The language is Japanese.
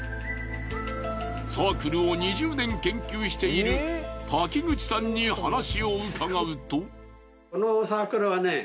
サークルを２０年研究している滝口さんに話を伺うと。